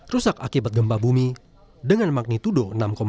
rusak akibat gempa bumi dengan magnitudo enam satu